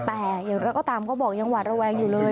แต่อย่างไรก็ตามเขาบอกยังหวาดระแวงอยู่เลย